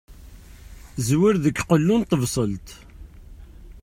Zwir deg qellu n tebṣelt.